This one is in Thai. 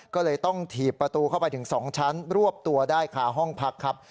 ก็เลยต้องถีบประตูเข้าไปถึง๒ชั้นรวบตัวได้คาห้องพักครับ